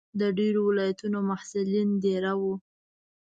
د ډېرو ولایتونو محصلین دېره وو.